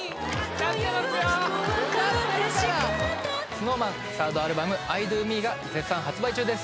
ＳｎｏｗＭａｎサードアルバム「ｉＤＯＭＥ」が絶賛発売中です